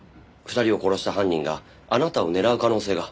２人を殺した犯人があなたを狙う可能性が。